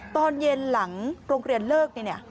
ตอนเย็นหลังโรงเรียนเลิก